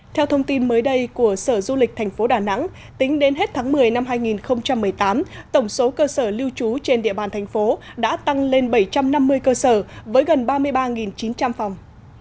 theo thông tin mới đây của sở du lịch thành phố đà nẵng tính đến hết tháng một mươi năm hai nghìn một mươi tám tổng số cơ sở lưu trú trên địa bàn thành phố đã tăng lên bảy trăm năm mươi cơ sở với gần ba mươi ba chín trăm linh phòng